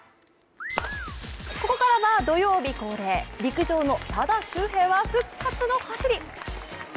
ここからは土曜日恒例陸上の多田修平は復活の走り。